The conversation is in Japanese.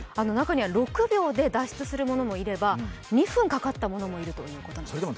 中には６秒で脱出するものもいれば２分かかったものもいるということです。